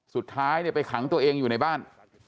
สุดท้ายไปขังตัวเองอยู่ในบ้าน